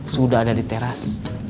sudah ada di teras